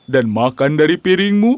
dan makan dari piringmu